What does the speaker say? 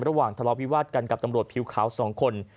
ระหว่างทะเลาะวิวาดกันกับตำรวจผิวขาว๒คน